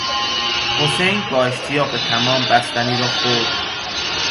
حسین با اشتیاق تمام بستنی را خورد.